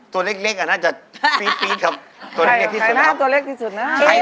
ตัวเล็กน่าจะติ๊ปกับตัวเล็กที่สุด